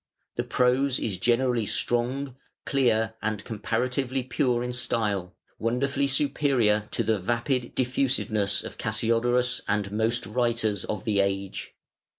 The prose is generally strong, clear, and comparatively pure in style, wonderfully superior to the vapid diffusiveness of Cassiodorus and most writers of the age.